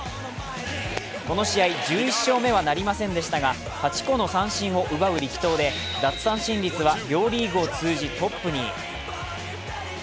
この試合１１勝目はなりませんでしたが８個の三振を奪う力投で奪三振率は両リーグを通じトップに。